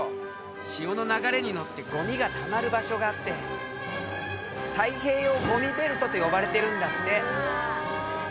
潮の流れに乗ってごみがたまる場所があって太平洋ごみベルトと呼ばれてるんだって。